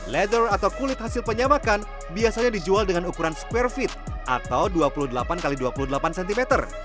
leather atau kulit hasil penyamakan biasanya dijual dengan ukuran square feet atau dua puluh delapan x dua puluh delapan cm